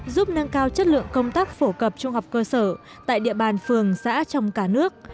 giúp nâng cao chất lượng công tác phổ cập trung học cơ sở tại địa bàn phường xã trong cả nước